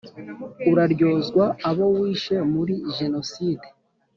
Uraryozwa abo wishe muri genoside